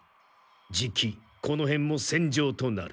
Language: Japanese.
じきこの辺も戦場となる。